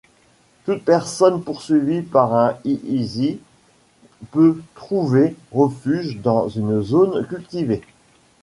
Toute personne poursuivie par un hiisi peut trouver refuge dans une zone cultivée.